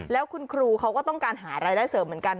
แล้วคุณครูเขาก็ต้องการหารายได้เสริมเหมือนกัน